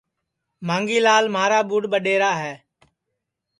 مانگھی لال مھارا ٻُڈؔ ٻڈؔئرا ہے